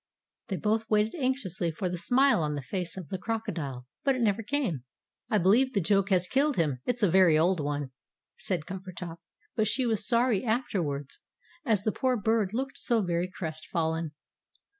They both waited anxiously for the smile on the face of the crocodile. But it never came. "I believe the joke has killed him it's a very old one," said Coppertop. But she was sorry afterwards, as the poor Bird looked so very crestfallen.